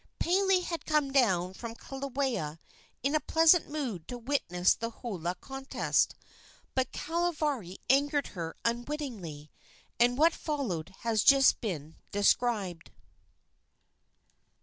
Pele had come down from Kilauea in a pleasant mood to witness the holua contest; but Kahavari angered her unwittingly, and what followed has just been described.